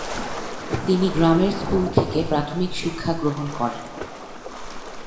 তিনি গ্রামের স্কুল থেকে প্রাথমিক শিক্ষাগ্রহণ করেন।